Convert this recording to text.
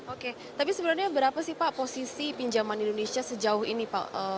oke tapi sebenarnya berapa sih pak posisi pinjaman indonesia sejauh ini pak